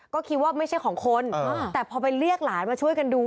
ก็คิดว่าไม่ใช่ของคนแต่พอไปเรียกหลานมาช่วยกันดู